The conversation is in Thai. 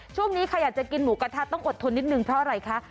ช่วงนี้ใครอยากจะกินหมูกระทะต้องอดทนนิดนึงเพราะอะไรคะ